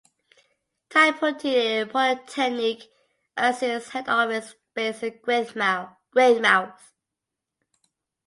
Tai Poutini Polytechnic has its head office based in Greymouth.